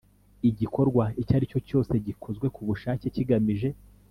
igikorwa icyo ari cyo cyose gikozwe ku bushake kigamije